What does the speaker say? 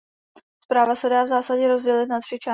Zpráva se dá v zásadě rozdělit na tři části.